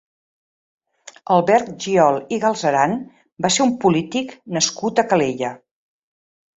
Albert Giol i Galceran va ser un polític nascut a Calella.